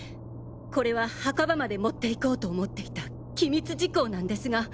これは墓場まで持って行こうと思っていた機密事項なんですが。